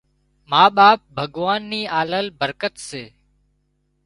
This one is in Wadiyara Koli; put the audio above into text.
ما ٻاپ ڀڳوان ني آلل برڪت سي